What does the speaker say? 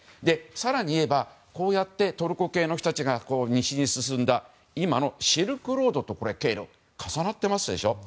更にいえばこうやってトルコ系の人たちが西に進んだというのは今のシルクロードと経路が重なってますでしょ。